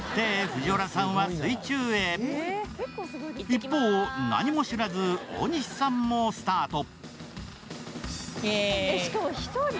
一方、何も知らず大西さんもスタート。